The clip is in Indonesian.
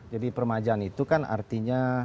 jadi permajaan itu kan artinya